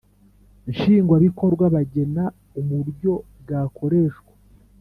Nshingwabikorwa bagena uburyo bwakoreshwa